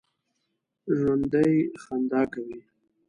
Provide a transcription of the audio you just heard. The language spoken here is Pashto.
ژوندي خندا کوي